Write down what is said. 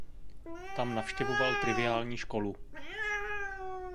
Tam navštěvoval triviální školu.